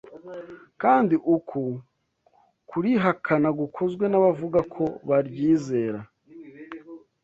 Kandi uku kurihakana gukozwe n’abavuga ko baryizera